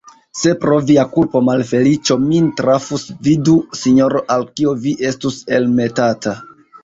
Se, pro via kulpo, malfeliĉo min trafus, vidu, sinjoro, al kio vi estus elmetata!